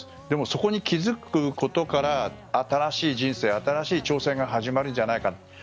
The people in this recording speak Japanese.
でもそこに気づくことから新しい人生新しい挑戦が始まるんじゃないか。